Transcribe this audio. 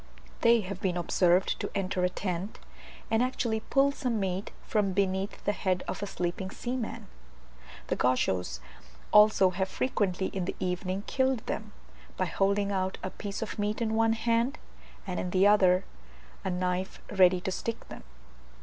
They have been observed to enter a tent, and actually pull some meat from beneath the head of a sleeping seaman. The Gauchos also have frequently in the evening killed them, by holding out a piece of meat in one hand, and in the other a knife ready to stick them.